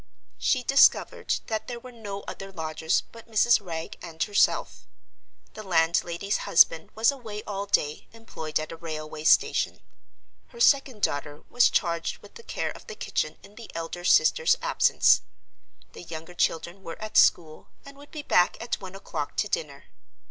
She discovered that there were no other lodgers but Mrs. Wragge and herself. The landlady's husband was away all day, employed at a railway station. Her second daughter was charged with the care of the kitchen in the elder sister's absence. The younger children were at school, and would be back at one o'clock to dinner.